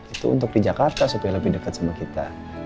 itu untuk di jakarta supaya lebih dekat sama kita